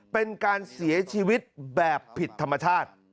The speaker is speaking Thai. เป็นการเสียชีวิตแบบผิดธรรมชาติ